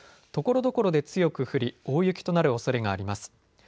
ところどころで強く降り大雪となるおそれがあります。